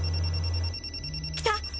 来た？